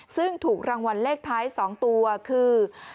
ซึ่งถูกรางวัลเลขท้าย๒ตัวคือ